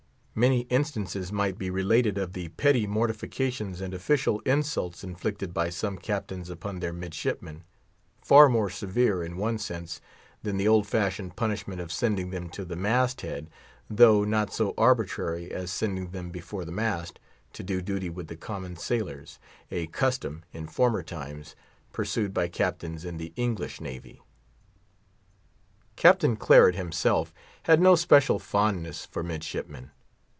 Many instances might be related of the petty mortifications and official insults inflicted by some Captains upon their midshipmen; far more severe, in one sense, than the old fashioned punishment of sending them to the mast head, though not so arbitrary as sending them before the mast, to do duty with the common sailors—a custom, in former times, pursued by Captains in the English Navy. Captain Claret himself had no special fondness for midshipmen.